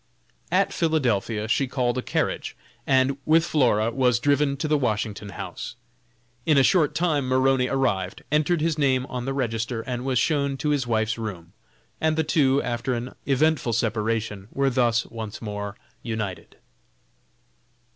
At Philadelphia she called a carriage, and, with Flora, was driven to the Washington House. In a short time Maroney arrived, entered his name on the register, and was shown to his wife's room, and the two after an eventful separation, were thus once more united.